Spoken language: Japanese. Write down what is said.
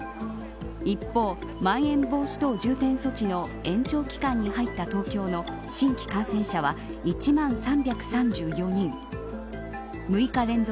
一方、まん延防止等重点措置の延長期間に入った東京の新規感染者は１万３３４人。